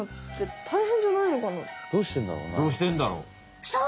どうしてんだろうね？